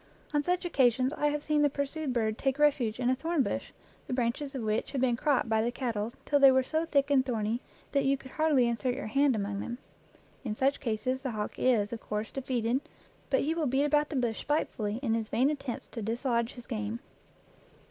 On such occasions I have seen the pursued bird take refuge in a thorn bush the branches of which had been cropped by the cattle till they were so thick and thorny that you could hardly insert your hand among them. In such cases the hawk is, of course, defeated, but he will beat about the bush spitefully in his vain attempts to dislodge his game.